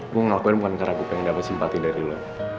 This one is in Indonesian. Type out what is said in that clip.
gue ngakuin bukan karena gue pengen dapat simpati dari lu